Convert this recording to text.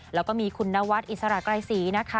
แล้วก็มีคุณนวัดอิสระไกรศรีนะคะ